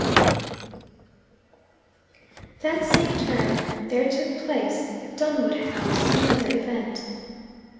XXII That same term there took place at Dunwood House another event.